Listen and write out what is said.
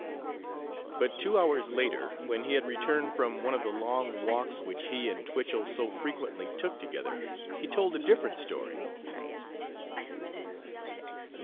But two hours later, when he had returned from one of the long walks which he and Twichell so frequently took together, he told a different story.